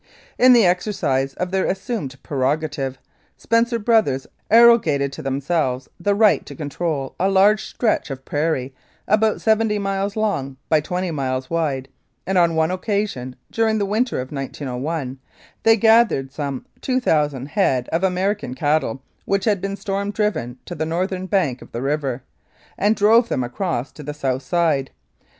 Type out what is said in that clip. In the exercise of their assumed prerogative, Spencer Brothers arrogated to themselves the right to control a large stretch of prairie about seventy miles long by twenty miles wide, and on one occasion during the winter of 1901 they gathered some 2,000 head of American cattle, which had been storm driven to the northern bank of the river, and drove them across to the south side.